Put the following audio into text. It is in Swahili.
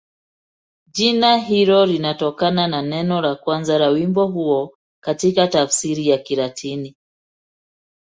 Jina hilo linatokana na neno la kwanza la wimbo huo katika tafsiri ya Kilatini.